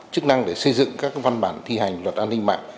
chức năng để xây dựng các văn bản thi hành luật an ninh mạng